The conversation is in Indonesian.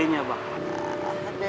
iya pasti itu uang untuk buat kuliah adik